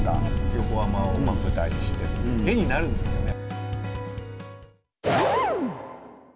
横浜を舞台にして、絵になるんですよね。